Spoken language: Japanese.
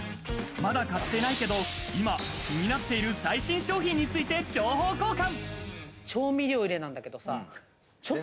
まだ買ってないけれども、今気になってる最新商品について情報交換。